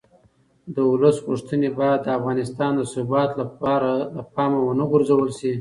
د ولس غوښتنې باید د افغانستان د ثبات لپاره له پامه ونه غورځول شي